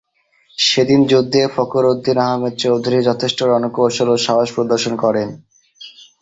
সেদিন যুদ্ধে ফখর উদ্দিন আহমেদ চৌধুরী যথেষ্ট রণকৌশল ও সাহস প্রদর্শন করেন।